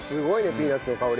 ピーナツの香り。